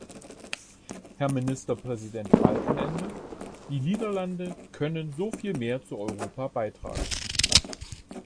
Herr Ministerpräsident Balkenende, die Niederlande können so viel mehr zu Europa beitragen.